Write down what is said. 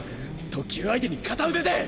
特級相手に片腕で！